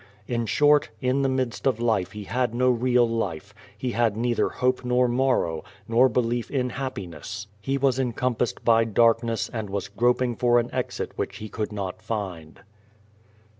In short, in the midst of life he had no real life, he had neither hope nor morrow, nor belief in happiness; he was encompassed by darkness and was groping for an exit which he could not find.